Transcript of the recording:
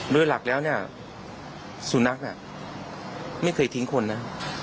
โดยหลักแล้วเนี่ยสุนัขไม่เคยทิ้งคนนะ